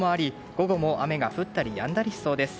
午後も雨が降ったりやんだりしそうです。